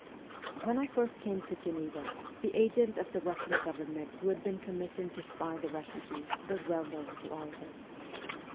When I first came to Geneva, the agent of the Russian government who had been commissioned to spy the refugees was well known to all of us.